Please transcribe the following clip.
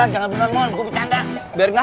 jangan beneran mohon gue bercanda